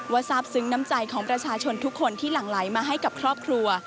ทราบซึ้งน้ำใจของประชาชนทุกคนที่หลั่งไหลมาให้กับครอบครัว